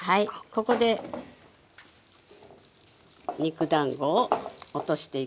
ここで肉だんごを落としていきます。